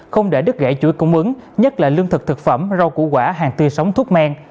không để đứt gãy chuỗi cung ứng nhất là lương thực thực phẩm rau củ quả hàng tươi sống thuốc men